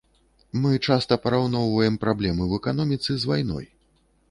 Мы часам параўноўваем праблемы ў эканоміцы з вайной.